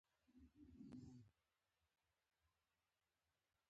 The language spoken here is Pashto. د توت ګل د ستوني لپاره وکاروئ